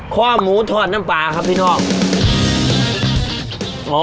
ข้อหมูทอดน้ำปลาครับพี่น้อง